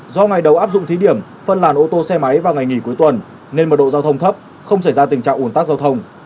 do ngày đầu áp dụng thí điểm phân làn ô tô xe máy vào ngày nghỉ cuối tuần nên mật độ giao thông thấp không xảy ra tình trạng ủn tắc giao thông